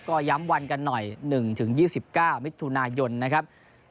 ก็ย้ำวันกันหน่อย๑๒๙มิถุนายนนะครับ